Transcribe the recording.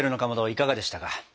いかがでしたか？